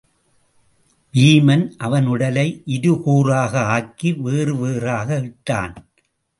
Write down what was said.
வீமன் அவன் உடலை இருகூறாக ஆக்கி வேறு வேறாக இட்டான்.